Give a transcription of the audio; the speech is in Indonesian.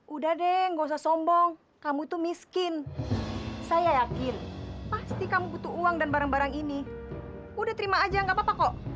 udah deh gak usah sombong kamu itu miskin saya yakin pasti kamu butuh uang dan barang barang ini udah terima aja gak apa apa kok